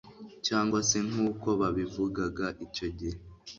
cyangwa se, nk'uko babivugaga icyo gihe